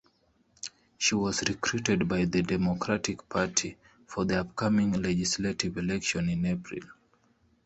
She was recruited by the Democratic Party for the upcoming legislative election in April.